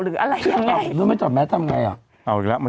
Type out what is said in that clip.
หรืออะไรยังไงรู้ไม่ถอดแมสทำง่ายอ่ะเอาอีกแล้วมา